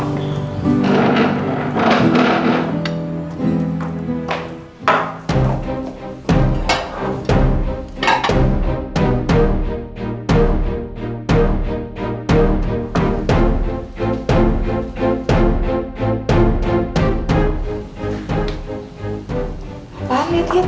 apaan ya tiet